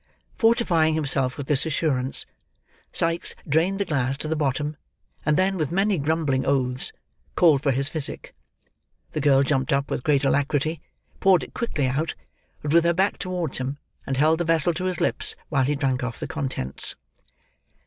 Fortifying himself with this assurance, Sikes drained the glass to the bottom, and then, with many grumbling oaths, called for his physic. The girl jumped up, with great alacrity; poured it quickly out, but with her back towards him; and held the vessel to his lips, while he drank off the contents.